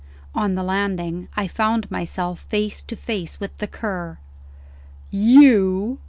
On the landing, I found myself face to face with the Cur. "_You!